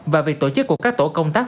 và việc tổ chức của các tổ công tác